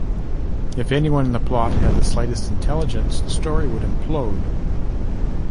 If anyone in the plot had the slightest intelligence, the story would implode.